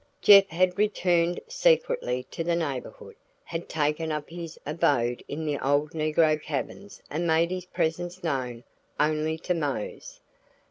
Jeff had returned secretly to the neighborhood, had taken up his abode in the old negro cabins and made his presence known only to Mose.